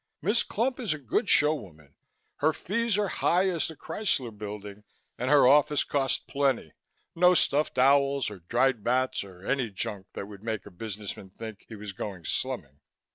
Miss Clump is a good showwoman. Her fees are high as the Chrysler Building and her office costs plenty. No stuffed owls or dried bats or any junk that would make a businessman think he was going slumming.